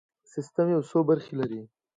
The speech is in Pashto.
سیستم یو څو برخې لري.